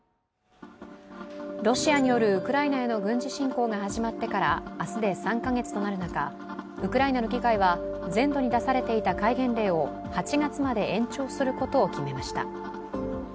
ロシアによるウクライナへの軍事侵攻が始まってから明日で３カ月となる中、ウクライナの議会は全土に出されていた戒厳令を８月まで延長することを決めました。